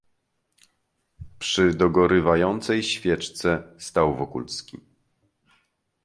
"Przy dogorywającej świeczce stał Wokulski."